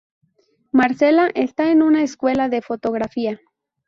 Marcela está en una escuela de fotografía.